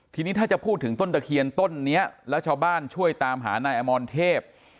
ทีนี้ถ้าจะพูดถึงต้นตะเคียนต้นนี้แล้วชาวบ้านช่วยตามหานายอมรเทพ